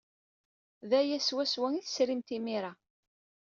D aya swaswa ay tesrimt imir-a.